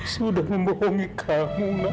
sudah membohongi kamu nak